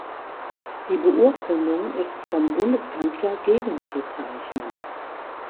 Die Beurkundung ist vom Bundeskanzler gegenzuzeichnen.